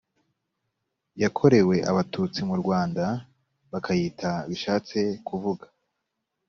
yakorewe abatutsi mu rwanda bakayita bishatse kuvuga